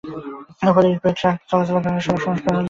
ফলে ইটবাহী ট্রাক চলাচলের কারণে সড়ক সংস্কার করলেও বেশি দিন টিকছে না।